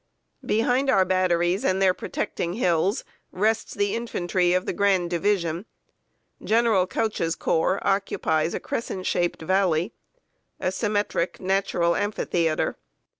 Behind our batteries and their protecting hills rests the infantry of the Grand Division. General Couch's corps occupies a crescent shaped valley a symmetric natural amphitheater.